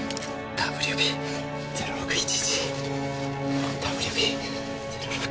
ＷＢ−０６１１。